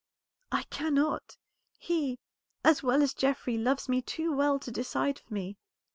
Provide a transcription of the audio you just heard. "I cannot. He, as well as Geoffrey, loves me too well to decide for me.